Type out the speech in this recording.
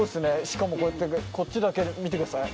しかもこうやってこっちだけ見てください